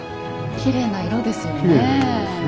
きれいな色ですね。